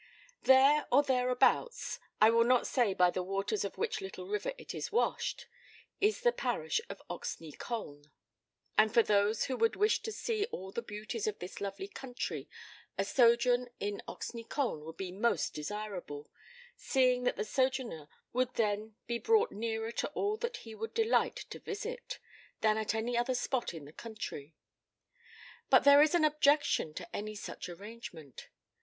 There or thereabouts I will not say by the waters of which little river it is washed is the parish of Oxney Colne. And for those who would wish to see all the beauties of this lovely country a sojourn in Oxney Colne would be most desirable, seeing that the sojourner would then be brought nearer to all that he would delight to visit, than at any other spot in the country. But there is an objection to any such arrangement.